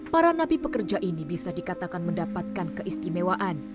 para napi pekerja ini bisa dikatakan mendapatkan keistimewaan